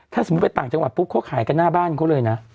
ถ้าสมมุติไปต่างจังหวัดปุ๊บเขาขายกันหน้าบ้านเขาเลยนะ